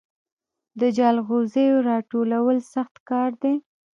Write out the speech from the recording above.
د جلغوزیو راټولول سخت کار دی